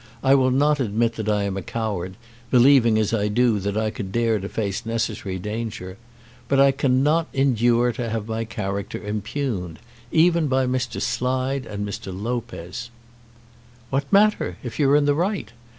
I will not admit that I am a coward, believing as I do that I could dare to face necessary danger. But I cannot endure to have my character impugned, even by Mr. Slide and Mr. Lopez." "What matter, if you are in the right?